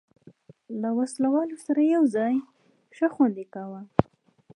له وسلو سره یو ځای، ښه خوند یې کاوه.